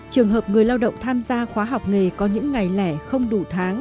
trường hợp người lao động tham gia khóa học nghề có những ngày lẻ không đủ tháng